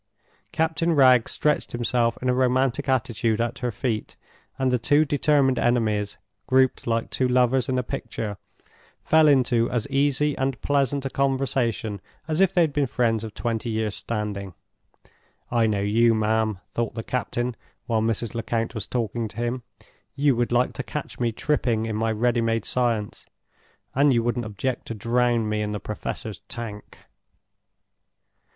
Captain Wragge stretched himself in a romantic attitude at her feet, and the two determined enemies (grouped like two lovers in a picture) fell into as easy and pleasant a conversation as if they had been friends of twenty years' standing. "I know you, ma'am!" thought the captain, while Mrs. Lecount was talking to him. "You would like to catch me tripping in my ready made science, and you wouldn't object to drown me in the Professor's Tank!"